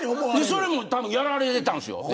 それも、たぶんやられてたんですよ。